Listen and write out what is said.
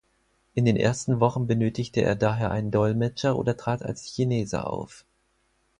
In den ersten Wochen benötigte er daher einen Dolmetscher oder trat als Chinese auf.